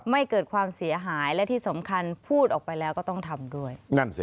เกิดความเสียหายและที่สำคัญพูดออกไปแล้วก็ต้องทำด้วย